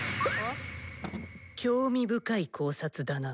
興味深い考察だな。